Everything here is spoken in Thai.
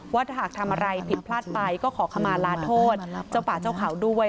ว่าถ้าหากทำอะไรผิดพลาดไปก็ขอขมาลาโทษเจ้าป่าเจ้าเขาด้วย